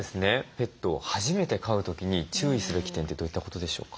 ペットを初めて飼う時に注意すべき点ってどういったことでしょうか？